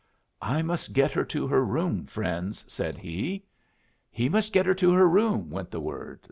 "I must get her to her room, friends," said he. "He must get her to her room," went the word.